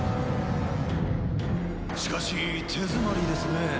しかし手詰まりですね。